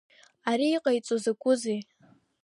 Ари иҟаиҵо закәызеи?